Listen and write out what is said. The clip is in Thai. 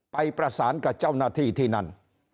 ไปประสานกับเจ้าหน้าที่ที่นั่น